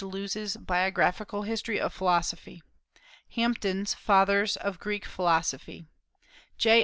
Lewes' Biographical History of Philosophy; Hampden's Fathers of Greek Philosophy; J.